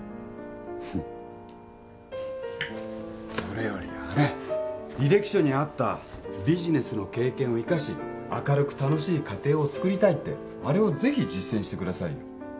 フッそれよりあれ履歴書にあった「ビジネスの経験を生かし明るく楽しい家庭をつくりたい」ってあれを是非実践してくださいよ